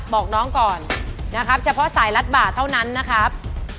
บอกน้องก่อนนะครับเฉพาะสายรัดบ่าเท่านั้นนะครับ